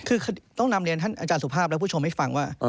คือต้องนำเรียนท่านอาจารย์สุภาพและผู้ชมให้ฟังว่า